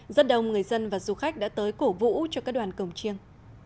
rất đông người dân và du khách đã tới cổ vũ cho các đoàn cổng chiêng